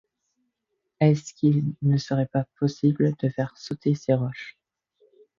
Est-ce qu’il ne serait pas possible de faire sauter ces roches ?